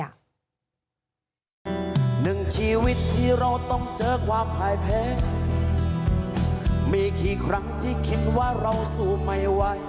โอ้โหลงไปในน้ำเลย